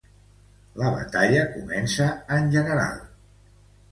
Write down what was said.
La batalla comença en general.